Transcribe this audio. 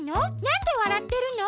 なんでわらってるの？